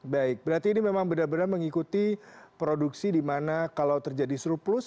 baik berarti ini memang benar benar mengikuti produksi di mana kalau terjadi surplus